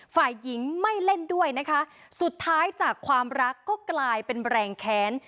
ฝ่ายหญิงไม่เล่นด้วยนะคะสุดท้ายจากความรักก็กลายเป็นแรงแค้น